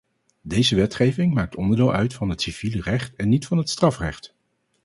Deze wetgeving maakt onderdeel uit van het civiele recht en niet van het strafrecht.